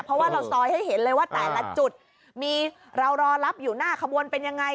เพราะว่าเราซอยให้เห็นเลยว่าแต่ละจุดมีเรารอรับอยู่หน้าขบวนเป็นยังไง